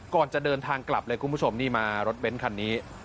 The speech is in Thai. ก่อนจะเดินทางกลับเลยคุณผู้ชมนี่มารถเบ้นคันนี้